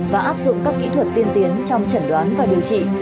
và áp dụng các kỹ thuật tiên tiến trong chẩn đoán và điều trị